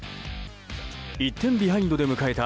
１点ビハインドで迎えた